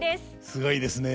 すごいですね。